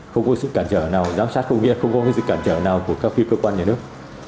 không có sự cản trở nào giám sát công nghiệp không có sự cản trở nào của các phiếu cơ quan nhà nước